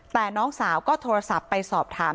แต่น้องสาวก็โทรศัพท์ไปสอบถาม